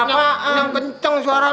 apa yang benceng suara